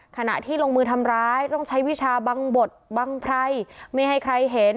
ขณะที่ลงมือทำร้ายต้องใช้วิชาบังบดบังไพรไม่ให้ใครเห็น